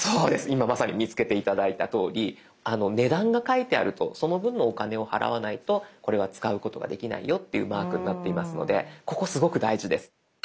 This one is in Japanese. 今まさに見つけて頂いたとおり値段が書いてあるとその分のお金を払わないとこれは使うことができないよというマークになっていますのでここすごく大事です。